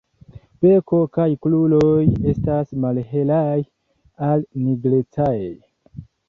Beko kaj kruroj estas malhelaj al nigrecaj.